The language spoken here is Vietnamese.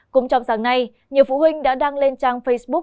cũng trong sáng nay nhiều phụ huynh đã đăng lên trang facebook